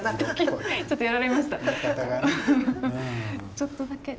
「ちょっとだけ」。